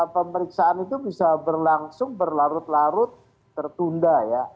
pemeriksaan itu bisa berlangsung berlarut larut tertunda ya